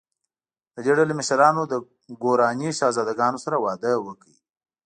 د دې ډلې مشرانو له ګوراني شهزادګانو سره واده وکړ.